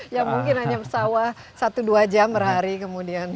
ya mungkin hanya pesawat satu dua jam sehari kemudian